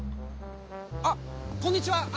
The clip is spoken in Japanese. あっこんにちは！